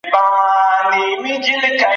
ایا په اوړي کي د سپینو کالیو اغوستل ګرمي کموي؟